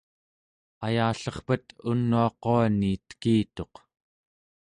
ayallerpet unuaquani tekituq